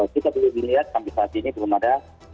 kita belum dilihat sampai saat ini belum ada